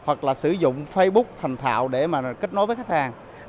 hoặc là sử dụng facebook thành thạo để mà kết nối với khách hàng